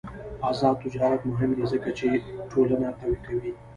آزاد تجارت مهم دی ځکه چې ټولنه قوي کوي.